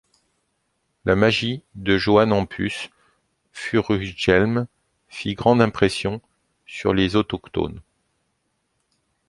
La magie de Johann Hampus Furuhjelm fit grande impression sur les autochtones.